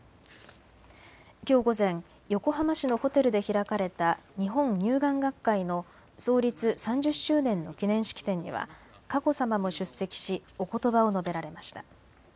きょう午前、横浜市のホテルで開かれた日本乳癌学会の創立３０周年の記念式典には佳子さまも出席しおことばを述べられました。